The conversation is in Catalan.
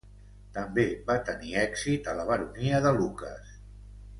També va tenir èxit a la Baronia de Lucas.